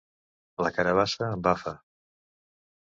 La carabassa embafa.